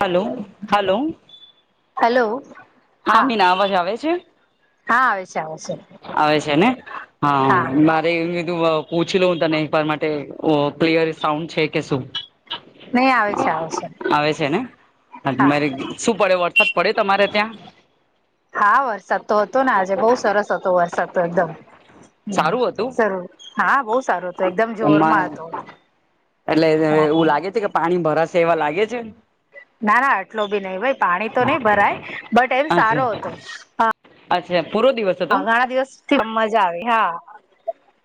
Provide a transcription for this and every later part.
Hello hello hello હા મીના અવાજ આવે છે હા આવે છે આવે છે આવે છે ને હા મારે એમ કીધું પૂછી લઉ હું તનેવા માટે ક્લિયર સાઉન્ડ છે કે શું? નહી આવે છે આવે છે. હ હા મારી સૂપર ડ વરસાદ પડે તમારે ત્યાં હા વરસાદ તો હતો ને આજે બઉ સરસ હતો વરસાદ. તો એકદમ હમ સારું હતું સરરૂ હા બહુ સારું હતું એકદમ અમારે જોરમાં હતો. બરા સ એવા લાગે છે ને ના ના આટલો બી નહિ ભાઈ પાણી તો નઈ ભરાય બટ એમ સારો અચ્છા હતો. અચ્છા. પૂરો દિવસ હતો હા ઘણા દિવસથી મજા આવે હા.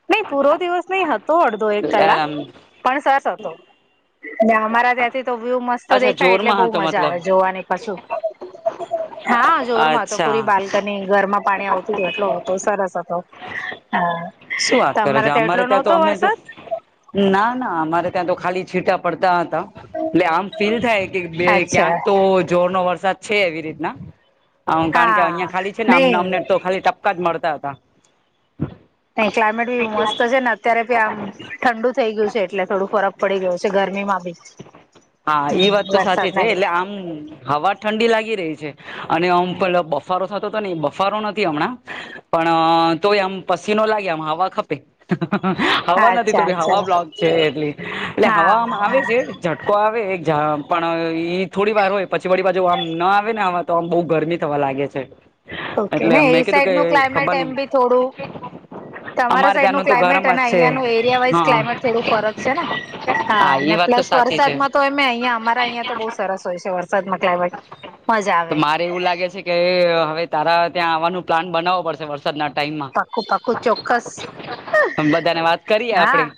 નહી પૂરો દિવસ નહી હતો અડધો એક કલાક પણ સરસ હતો. અમારા ત્યાંથી તો વ્યુ મસ્ત અચ્છા દેખાય એટલે જોરમાં બઉુ હતો મજા મતલબ આવે જોવાની પાછું હા જોરમાં તો અચ્છા પૂરી બાલ્કની ઘરમાં પાણી આવતું. હતો સરસ હતો. હા શું વાત કરે તમારે છે એટલો અમારે ત્યાં તો નહતો અમે તો વરસાદ ના ના અમારે ત્યાં તો ખાલી છીટા પડતા. એટલે આમ ફીલ થાય કે બે અચ્છા ક્યાંક તો જોર નો વરસાદ છે એવી રીતના કારણ કે હા અહિયાં ખાલી છે ને અમને નહી અમને તો ખાલી ટપકા જ મળ હતા. નહી ક્લાયમેટ બી મસ્ત છે ને અત્યારે બી આમ ઠંડુ થઈ ગયું છે એટલે થોડું ફરક પડી ગયો છે ગરમીમાં બી હા હ એ વાત તો સાચી છે વરસાદના લીધે પ બફારો થ બફારો નથી હમણાં પણ તો આમ ચિ લાગ હવા ખપે. હવા નથી અચ્છા થોડી અચ્છા હવા બ્લોક છે એટલી એટલે હા હવામ આવે છે હા ટકો આવે. જ પણ ઈ થોડી વાર હોય પછી વાળી પાછુ આમ ના આવે ને આ તો આમ બહુ ગરમી થવા લાગે છે. ઓકે એટલે ને મેં એ કીધું કે સાઈડ નું ક્લાઇમેટ ખબર એમ નઈ બી થોડું. તમારા અમારે સાઈડ નું ત્યાંનું તો ગરમ ક્લાઇમેટ અને જ છે અહિયાં નુ એરિયા વાઈઝ હા ક્લાઇમેટ થોડું ફરક છે ને એ હા વાત પ્લ તો સાચી છે વરસાદમાં તો એમે અહં અમારા અહિયાં તો બહુ સરસ હોય છે વરસાદમાં ક્લાઇમેટ મજા તો આવે મારે એવું લાગે છે કે હવે. તારા ત્યાં આવવાનું પ્લાન બનાવો પડશે વરસા દના ટાઈમ મા પાક્કું પાક્કું ચોક્કસ તમ બધાને વાત કરીએ હા આપે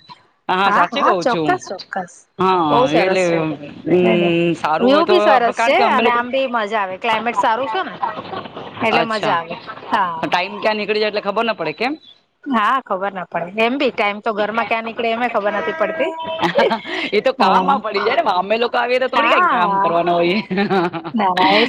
હા સાચી કઉ છું હું બહુ હા સરસ એટલે છે નઈ નઈ હમ્મ સારું વ્યુ હોય તો. બી સરસ કારણ છે કે અમે અને લોક આમ બી મજા આવે ક્લાઇમેટ સારું છે ને એટલે અચ્છા મજા આવે હા ટાઈમ ક્યાં નીકળી જાય એટલે ખબર ન પડે કેમ. હા ખબર ના પડે એમ ભી ટાઈમ તો ઘરમાં ક્યાં નીકળે એમે ખબર નથી પડતી એ તો હ કામમાં પડી જાય ને અમે લોકો આવીએ તો થોડી કઈ હા કામ હ. કરવાના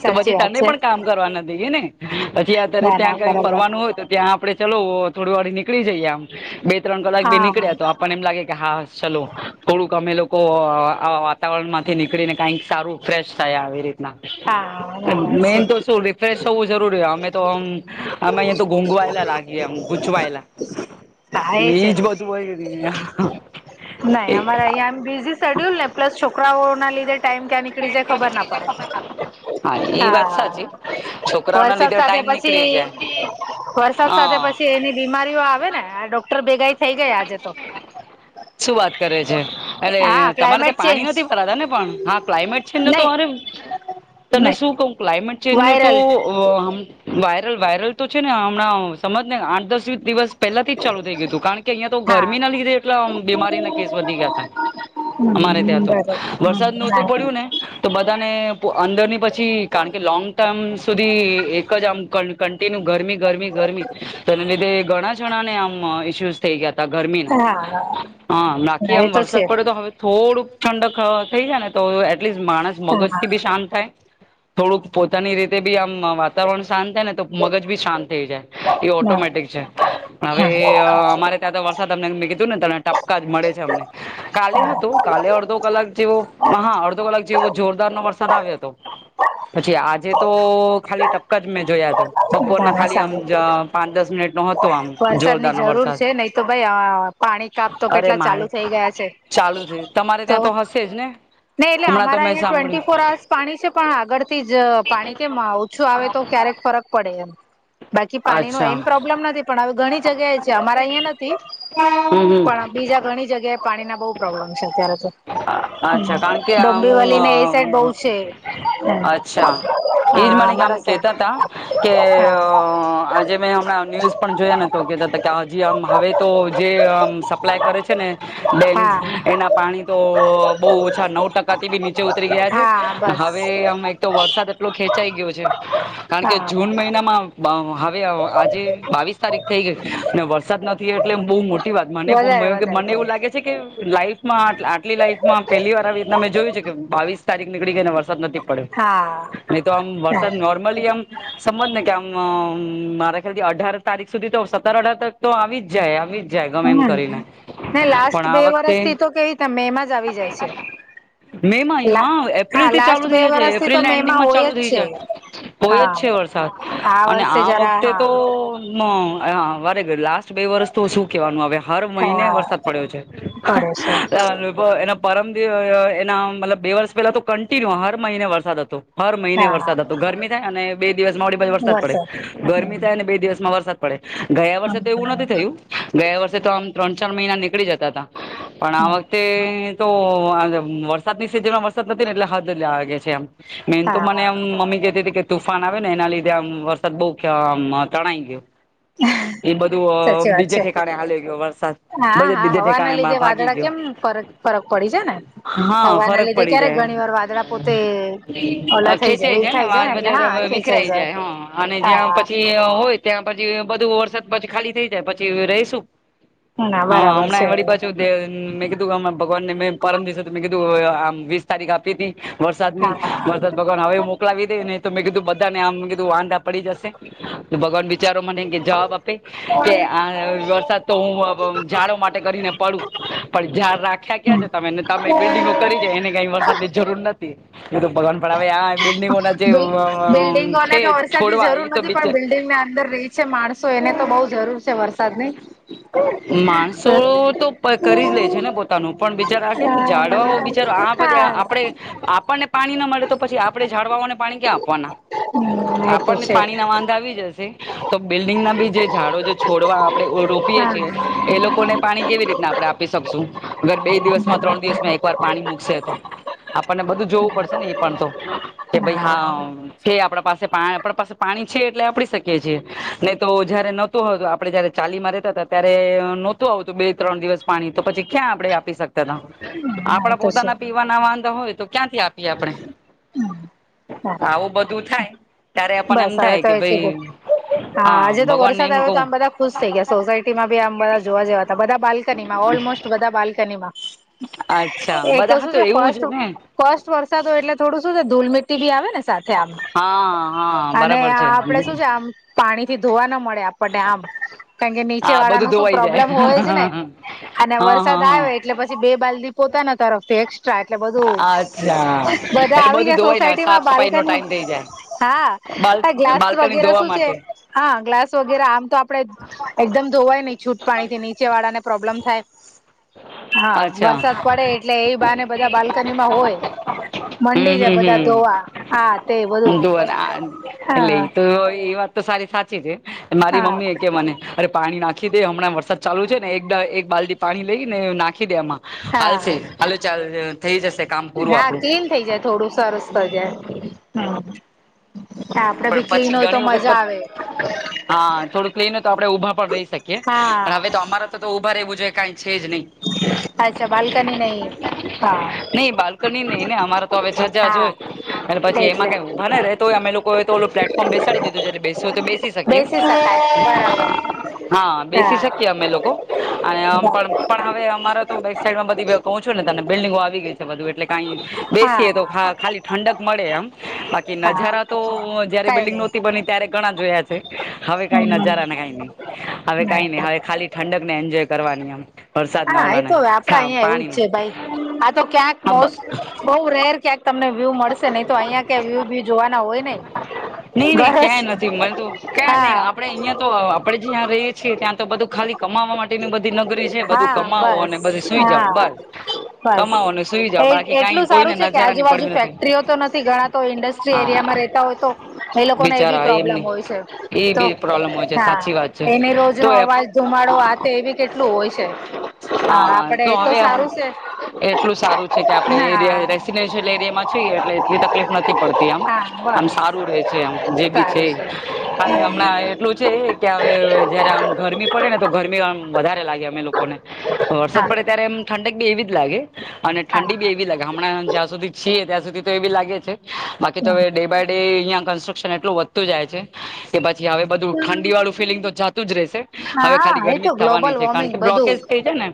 તો પછી તને પણ કામ કરવાના દઈએ ને. પછી અત્યારે ના ના ત્યાં કઈ બરાબર ફરવાનું હોય તો ત્યાં. આપડે ચાલો થોડી વાર નીકળી જઈએ આમ બે. ત્રણ કલાક બે હા નીકળ્યા તો આપણ એમ લાગે. કે હાસ ચલો થોડુંક અમે લોકો આવા વાતાવરણ માંથી નીકળીને કઈક સારું ફેશ. સ થયા આવી રીતે. હા ના ના એ મેન છે તો શું રિફ્રેશ થવું જરૂરી અમે તો અમે અહીંયા તો ઘોઘવાયેલા લાગી એમ ગૂચવાયેલા. હા એ છે હોય નાઈ એ અમારા અહીંયા આમ બિઝી સેડુલ ને પ્લસ છો છોકરાઓ ના લીધે ટાઈમ ક્યા નીકળી જાય ખબર ના પડે હા એ વાત સાચી હા છોકરાઓના વરસાદ લીધે સાથે ટાઈમ નીકળી જાય પછી વરસાદ સાથે હા પછી એની બીમારીઓ આવે ને હા ડોક્ટર ભેગાઈ થઈ ગયા આજે તો શું વાત કરે છે એટલે હા તમારે ક્લાઇમેટ ત્યાં પાણી ચેન્જ નથી ભરાતા ને પણ હા ક્લાઇમેટ છે ને નહી તોરે તને નહી શું કઉં ક્લાયમેટ ચેન્જ નો તો વાયરલ વાયરલ વાયરલ તો છે ને હમણાં સમજ ને આઠ દસ દિવસ પહેલાથી જ ચાલુ થઈ ગયું હતું કારણ કે અહીયાં તો હા ગરમીના લીધે એટલા બીમારીના કેસ વધી ગયા હતા અમારે હમ ત્યાં તો બરોબર હમ વરસાદ નહોતું પડ્યું ને તો બધાને અંદરની પછી કારણ કે લોંગ ટર્મ સુધી એક જ આમ કન - ટાળી ને ગરમી ગરમી ગરમી તો એના લીધે ઘણા જણા ને આમ ઇસ્યુ થઈ ગયા ગરમી ના હા હા નાખી એ આમ તો છે વરસાદ પડ્યો તો હવે થોડું ઠંડક થઈ જ ને તો એટ માણસ મગજ હા થી બી શાંત થાય થોડુંક પોતાની રીતે બી આમ વાતાવરણ શાંત થાય ને તો મગજ બી શાંત થઈ જાય એ હા ઓટોમેટિક છે હવે અમારે ત્યાં તો વર્ષ તમને કીધું ને તને ટપકા જ મળે છે અમને કાલે હા હતો તો કલે અર્ધો અલગ. જેવો હા અડધો કલાક જેવો જોરદારનો વરસાદ આવ્યો હતો પછી આજે તો ખાલી ટપકા જ મેં જોયા હતા. બપોરના ખાલી સારું આમ પાંચ દસ મિનિટ મહત વરસાદની જરૂર છે નહી તો ભાઈ પાણી કાપ તો અરે કેટલા ચાલુ મારે થઈ ગયા છે તો હા નહી એટલે અમારા અહીં ટ્વેન્ટી ફોર અર્સ પાણી છે પણ આગળ થી જ પાણી કેમ ઓછું આવે તો ક્યારેક ફરક પડે એમ બાકી પાણી નો અચ્છા એમ પ્રોબ્લેમ નથી પણ ઘણી જગ્યાએ છે અમારા અહિયાં નથી હમ હમ પણ બીજા ઘણી જગ્યા પાણી ના બહુ પ્રોબ્લેમ છે ત્યારે [unintelligible] અચ્છા કારણ કે ને એ સાઈડ બહુ હું છે અચ્છા એજ હા માણિક આમ અમારા કેતા સાઈડ ત કે આજે મેં હમણાં ન્યૂઝ પણ જોયા તો કેહેતા હતા કે હજી આમ હવે તો જે આમ સપ્લાય કરે છે ને ડેમ્ હા એના પાણી તો બહ ઓછા નવ ટકા થી બી ચ ગયા છે હા બસ હવે અમે એક તો વરસાદ એટલો ખેં થઇ ગયું છે. કારણ કે હા જૂન મહિનામાં આજે બાવીસ તારીખ થઈ ગઈ ને વરસાદ નથી એટલે બહુ મોટ વાત મને વધારે વધારે મને એવું કેવાય લાગે છે કે લાઈફ આટલી લાઈફમાં પહેલી વાર આવી રીતના મેં જોયું છે કે બાવીસ તારીખ નીકળી ગઈને વરસાદ નથી. પડ્યો હા. નહી તો હા વરસાદ નોર્મલી આમ સમજ ને કે આમ મારા ખાલી અઢાર તારીખ સુધી તો સત્તર અઢાર તારીખ તો આવી જ જાય આવી જ જ ગમે એમ કરીને હમ પણ આ વખતે ત્યા મેમાં જ આવી જાય છે, મે માં હા હા એપ્રિલ થી લાસ્ટ ચાલુ બે થઈ જશે વરષથી તો એપ્રિલ ના મેમાં એન્ડિંગમાં હોય ચાલુ જ થઈ છે, જાય હોય જ હા છે વરસાદ આ વર્ષે જરા હા. હા [unintelligible] બે વર્ષ તો શું કેવાનું [unintelligible] હર મહિને હા વરસાદ પડ્યો છે. પડે છે [unintelligible] એના પરમ દિવ એના મતલ બે વર્ષ પેલા તો કન્ટિન્યુ હર મહિને વરસાદ હતો. હર મહિને હા હા વરસાદ હતો ગરમી થાય અને બે દિવસમાં થડી બધી વરસાદ પડે ગરમી થાય અને બે દિવસમાં વરસાદ. પડે ગયા વર્ષે હમ તો એવું નથી થયું ગયા વર્ષે. તો આમ ત્રણ ચાર મહિના નીકળી જતા હતા. પણ આ હા વખતે તો વરસાદ [unintelligible] ની સિઝનમાં વરસાદ નથી ને એટલે [unintelligible] છે, એમ. [unintelligible] મેન તો હા મને મમ્મી તુફાન આવે ને એના લીધે આમ વરસાદ [unintelligible] તણાઈ [unintelligible] એ સાચી બધું વાત બીજે છે ઠેકાણે હલી ગયયો વરસાદ હા બધ હા બીજે હવાના ઠેકાણેમાં લીધે ભાગી [unintelligible] વાદળા કેમ ફર ફરક પડી જાય ને હા હવાના ફરક લીધે પડી ક્યારેક જાય ઘણી વાર વાદળા પોતે ઓલા અ થઈ જાય ખેંચાઈ એ થાઈ જાય વાળ ને એટલે હા બધા ખેંચાઈ વિખરાઈ જાય હા અને જ્યાં હા. પછી હોય ત્યાં પછી બધું વરસાદ પછી ખાલી થઈ જાય પછી રહીશું. ના હા બરાબર હમણાં છે એ વાળડી [unintelligible] [unintelligible] મે પરમ દિવસે મેં કીધું આમ વીસ તારીખ આપી હતી. વરસાદ ની હા વરસાદ [unintelligible] હવે મોકલાવી દે ને. મે કીધુંધાનેમ કીધું વાંધા. પડી જશે ભગવાન બિચારો મને કે જવાબ આપે કે આ વરસાદ [unintelligible] તો હું ઝાડો માટે કરીને પડું. પણ જ્યાાર રાખ્યા ક્યાં છે, તમેને તમે બિલ્ડિંગો કરી જાય એને કઈ વરસાદ ની જરૂર નથી. એ તો ભગવાન પણ હવે આ બિલ્ડિંગોના જે બિલ્ડિંગોને છે તો વરસાદની છોડવા જરૂર એ તો નથી બિચ પણ બિલ્ડિંગને અંદર રહી છે, માણસો એને તો બઉ જરૂર છે વરસાદ ની. માણસો તો કરી જ લે છે, ને પોતાનું પણ બિચારા આ કેમ હા જાડવાઓ બિચારો આ બધી આપણે આપણને પાણી. મળે તો પછી આપણે ઝાડવાને પાણી ક્યાં આપવાના એ તો આપણને છે પાણી ના વાંધા આવી જશે તો બિલ્ડિંગ ના બી જે ઝાડો છોડવા [unintelligible] હા [unintelligible] એ લોકોને પાણી કેવી રીતના આપણે આપી શકશું અગર બે દિવસમાં ત્રણ દિવસમાં એક વાર પાણી મૂકશે તો આપણને બધું જોવું પડશે. ને એ પણ તો કે ભાઈ હા છે, આપડા પાસે પા [unintelligible] પાસે પાણી છે, એટલે આપ શકીએ છીએ નહી તો જયારે નહોતો હોય તો આપણે જયારે ચાલીમાં ર ત્યારે નહોતું આવુંતું બે ત્રણ દિવસ પાણી તો પછી ક્યાં આપડણે આપી શકએ. એ આપડા તો છે પોતાના પીવાના વાંધા હોય. તો ક્યાંથી આપીએ આપણે. આવું બધું થાય ત્યારે આપણને એમ બસ હવે થાય કે તો ધું ભાઈ હા આજે તો ભગવાનને વરસાદ એમ આવ્યો તો કવું આમ બધા ખુશ થઇ ગયા સોસાયટી માં બી આમ બધા જોવા જેવા હતા બધા બાલ્કનીમાં ઓલમોસ્ટ બધા બાલ્કનીમાં અચ્છા એક બધા તો હા શું છે એવું જ ફસ્ટ ને ફસ્ટ વરસાદ હોય એટલે ધૂલ મિટી બી આવે સાથે આમ હા હા અને બરાબર છે આપડે શું છે આમ પાણી થી ધોવા ના મળે આપણને આમ કારણ કે નીચે હા બધું વાળાનુ શું ધોવાઈ જાય પ્રોબ્લેમ હોય જ ને અને હા હા વરસાદ હા આવે એટલે પછી બે બાલ્દી પોતાના તરફથી એટલે અચ્છા બધું એટલે આવી બધું જાય ધોવાય ને સાફ સોસાયટીમાં સફાઈ નો બાલ્કની ટાઈમ થઇ જાય બાલ હા ગ્લાસ બાલ્કની વગેરે ધોવા શું છે માટે હા વગેરે આમ તો આપડે એકદમ ધોવાય નહી છૂટ પાણીથી નીચે વાળા પ્રોબ્લેમ થાય હા અચ્છા વરસાદ પડે એટલે એવી બાને બધા બાલ્કનીમાં હોય હમ મંડી જાય હમ બધા હમ ધોવા આ તે જોને આ બધું એટલે હા એ તો એ વાત તો સારી સાચી છે. મારી હા મમ્મી એ કે બને અરે પાણી નાખી દે હમણાં વરસાદ ચાલુ છે ને એક એક બાલ્ટી પાણી ને નાખી દે એમાં હાલ હા છે હાલ ચાલ થઈ જશે કામ પૂરું હા આપણું ક્લીન થઈ જાય [inaudible] પણ બી ક્લીન પછી હોય તો ઘણી વખત મજા આવે હા થોડું ક્લીનય તો આપડે ઊભા પણ રહી શકીએ હા પણ હવે તો અમારા તો ભારેવુ જે કઈ છે જ નહી અચ્છા બાલ્કની નહી. હા નહી બાલ્કની નહી ને અમારે તો હવે સજા જ હોય અને પછી એમાં એટલે કઈ ઉભા ન રતો હોય અમે લોકો ઓલુ પ્લેટફોર્મ બેસાડી દીધું બેસ હોય તો બેસી શકીએ હા બેસી શકીએ બરાબર અમે લોકો અને પણ પણ હવે અમારે તો બેક સાઈડમાં બધી કવુ છું ને તને બિલ્ડિંગો આવી ગઈ છે બધું એટલે કંઈ બેસીએ હા. તો ખાલી ઠંડક મળે એમ બાકી હા નજારા હા તો જયારે કઈ બિલ્ડીંગ નઈ નહોતી બની ત્યારે ઘણા જોયા છે હવે કઈ હમ. નજારા ને કઈ નઈ હવે કઈ નહી હવે ખાલી ઠંડક ને એન્જોય કરવાની એમ. વરસાદના હા એ ઓલાને તો આપડા હા અહિયાં એવું જ પાણીને છે ભાઈ. આ તો ક્યાંક હા બસ બ બવ રેર કેક તમને વ્યૂ મળશે નહી તો અહિયાં ક્યા વ્યૂ વ્યૂ જોવાના હોય ને વરસ ક્યા નઈ આપડે અહિયા તો આપડે જ્યાં રહીએ છીએ ત્યાં તો બધું ખાલી કમાવા માટે ન બધ નગરી છે બધું હા કમાવો બસ અને બધી સુઈ જાઓ હા. બસ કમાવો બસ અને સુઈ જઓ બાકી કઈ કોઈને નજારા જુની ફેક્ટરીઓ તો નથી ઘણા તો ઇન્ડસ્ટ્રી એરિયામાં હા રતા હોય તો એ લોકોને એ બી બિચારા પ્રોબ્લેમ એમની હોય છે. એ તો બી પ્રોબ્લેમ હોય છે હા સાચી વાત છે એને રોજ તો નો એ અવાજ ધુમાડો આ એ કેટલું હોય હા આપડે એ તો સારું છે. એટલું સારું છે કે આપણે હા રેસિડેન્ટ એટલે છી એટલે એટલી તકલીફ નથી પડતી આમ હા આમ સારું બસ રે છે આમ જે બી છે. ખાલી હમણાં એટલું છે ત્યારે જ્યારે આમ ગરમી પડે ને તો ગરમી આમ વધારે લાગે અમે લોકોને. વરસાદ હા પડે ત્યારે એમ ઠંડક બી એવી જ લાગે અને હા ઠંડી બી એવી લાગ હામણાં જ્યાં સુધી ત્યાં સુધી તો એ બી લાગે છે બાકી તો હવે ડે બાય ડે અહિયાં કન્સ્ટ્રક્શન એટલું વધતું જાય છે કે પછી હવે બધું ઠંડી વાળું ફીલિંગ તો જાતું જ રહેશે હવે ખાલી હા એ ગરમી તો જ થવાની ગ્લોબલ છે. કારણ વોર્મિંગ કે બધું બ્લોકેજ થઈ છે ને.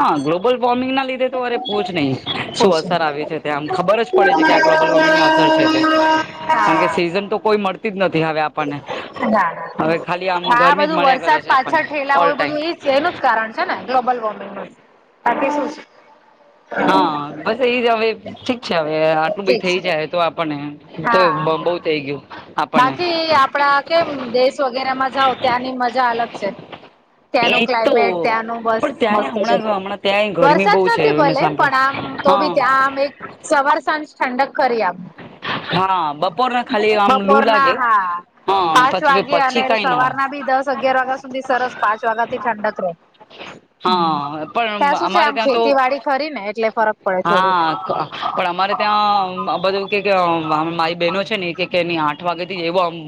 હા ગ્લોબલ વોર્મિંગ [unintelligible] પૂછ નહીં શું ખુશ અસર આવે છે ત્યાં આમ પડે છે આ ગ્લોબલ હા વોર્મિંગની અસર છે તે કારણ કે ના સીઝન તો કોઈ મળતી જ નથ ના, ખાલી આમ આ ગરમી જ બધું મળ્યા કરે વરસાદ છે આપણને પાછળ ઠેલા ઓલ હોય ટાઈમ બધું એ જ એનું જ કારણ છે ને ગ્લોબલ વોર્મિંગ નું. આ છે શું? હા બસ એ જ હવે ઠીક છે હવે. આટલું બી ઠીક થઈ છે જાય તો આપણને તો હા બહુ થઈ ગયું આપણને બાકી આપણા કેમ દેશ વગેરામાં જાઓ ત્યાંની મજા અલગ છે. ત્યાંનું એજ તો ક્લાઇમેટ ત્યાંનું બસ પણ ત્યાંય મસ્ત છે હમણાં હમણાં ત્યાંય ગરમી વરસાદ બહુ છે નથી મેં ભલે સાંભળી પણ આમ તો બી હા ત્યાં આમ એક સવાર સાંજ ઠંડક ખરી આમ. હા બપોરના ખાલી આમ લૂ બપોરના લાગે હા હા પાંચ પછી વાગે અને પછી કઈ ના હોય સવારના બી દસ અગિયાર વાગ્યા સુધી સરસ પાંચ વાગ્યાથી ઠંડક રહે હા પણ ત્યાં શું છે અમારે આમ ત્યાં તો ખેતીવાડી કરીને એટલે ફરક પડે થોડી. હા પણ અમારે ત્યાં બધું કે કે અ મારી બહેનો છે ને એ કે નઈ આઠ આઠ વાગે થી જ એવો આમ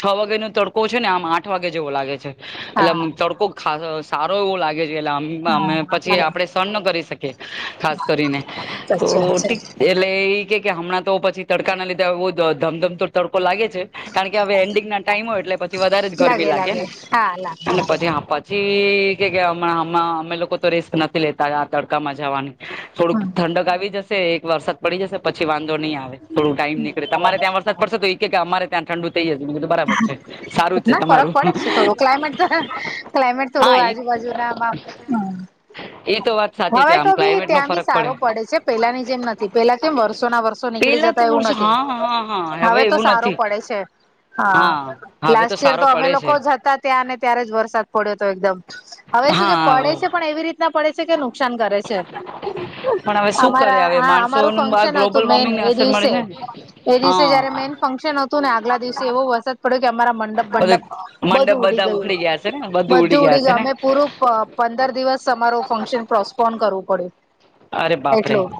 છ વાગેનો તડકો છે ને આમ આઠ વાગે જેવો લાગે છે. એટલે આમ હા તડકો ખાસ સારો એવો લાગે લા અમ હા અમે પછી બરાબર આપણે સહન ના કરી શકીએ. એ ખાસ કરીને તો સાચી વાત ઠીક છે એટલે ઈ કે હમણાં તો પછી તડકાના લીધા બઉ ધમધમતો તડકો લાગે છે. કારણ કે અવે એન્ડીગના ટાઈમ હોય એટલે પછી વધારે જ ગરમી લાગે લાગે લાગેને હા લાગે અને લાગે પછી અ પછી કે કેય કે અમે લોકો તો રિસ્ક નથી લેતા આ તડકામાં જાવાની. થોડુંક હમ ઠંડક આવી જશે એક વરસાદ પડી જશે પછી વાંધો નહીં આવે થોડું ટાઈમ નીકળે તમારે ત્યાં વરસાદ પડશે તો ઈ ઈ કેય કે અમારે ત્યાં ઠંડુ થઈ જશે મેં કીધું બરાબર છે સારું જ છે ના ફરક તમારું પડે છે થોડું ક્લાયમેટ ક્લાયમેટ હા થોડું એ આજુબાજુનામાં એ તો વાત સાચી હવે છે તો આમ ભી ક્લાઇમેટ નો ત્યાં બી ફરક સારો પડે છે પેહલાની જેમ નથી પેહલા કેમ વર્ષોના વર્ષો નીકળી પેલા જતા તો એવું વર્ષો નથી હા હા હા હવે તો એવું સારો નથી પડે છે હા, હવે લાસ્ટ યર સારો તો અમે પડે છે લોકો જતા ત્યાં ને ત્યારે જ વરસાદ પડ્યો હતો એકદમ હવે શું છે પડે હા છે પણ એવી રીતના છે કે નુક સાન કરે છે પણ હવે શું કરે અમારા હવે હા અમારું માણસોનું આ ફંક્શન હતું ગ્લોબલ મેઈન વોર્મિંગને એ અસર મળે દિવસે ને એ દિવસે જયારે હા મેઉન ફંક્શન હતું ને આગલા દિવસે એવો વરસાદ પડ્યો કે અમારા મંડપ બધું મંડપ મંડપ બધું ઉડી બધા ગયું ઉખડી ગયા હશે ને બધું ગયા ઉડી હશે ગયું ને અમે પૂરું પંદર દિવસ સમારોહ ફંક્શન પ્રોસ્પોન કરવું પડ્યું. અરે બાપરે એટલું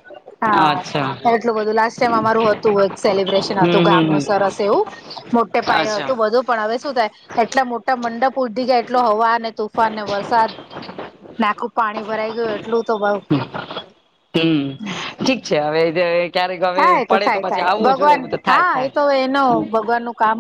હા અચ્છા એટલું બધું લાસ્ટ ટાઈમ અમારું હતું એક સેલિબ્રેશન હતું હમ હમ ગામનું સરસ એવું મોટે પાયે અચ્છા હતું બધું પણ હવે શું થાય એટલા મોટા મંડપ ફૂટી ગયા એટલો હવા તોફાનને વરસાદ ને આખું પાણી ભરાઈ ગયું એટલું તો બ હમ [unintelligible] થાય તો પડે થાય પછી થાય આવવું જોઈએ ભગવાન એવું તો થાય હા એ થાય તો એનું ભગવાનનું કામ